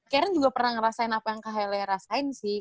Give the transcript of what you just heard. karen juga pernah ngerasain apa yang kak hele rasain sih